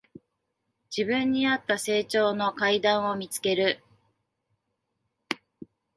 自分にあった成長の階段を見つける